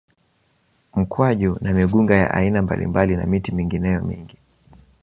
Mkwaju na migunga ya aina mbalimbali na miti mingineyo mingi